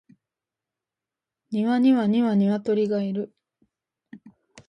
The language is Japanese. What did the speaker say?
庭には二羽鶏がいる